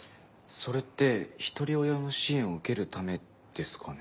それってひとり親の支援を受けるためですかね？